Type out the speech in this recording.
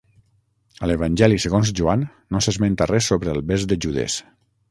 A l'Evangeli segons Joan, no s'esmenta res sobre el bes de Judes.